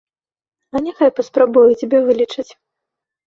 А няхай паспрабуе цябе вылечыць!